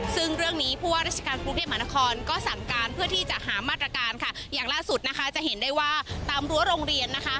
ซึ่งเรื่องนี้ผู้ว่าราชการกรุงเทพมหานครก็สั่งการเพื่อที่จะหามาตรการค่ะอย่างล่าสุดนะคะจะเห็นได้ว่าตามรั้วโรงเรียนนะคะ